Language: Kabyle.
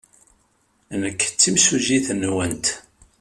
Nekk d timsujjit-nwent.